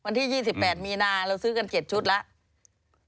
วันที่๒๘มีนาเราซื้อกัน๗ชุดแล้ว